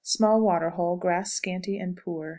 Small water hole; grass scanty and poor.